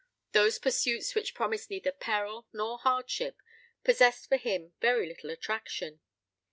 Those pursuits which promised neither peril nor hardship possessed for him very little attraction.